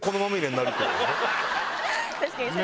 確かにそれは。